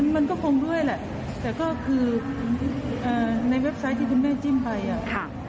มันก็คงด้วยแหละแต่ก็คือในเว็บไซต์ที่คุณแม่จิ้มไปอ่ะ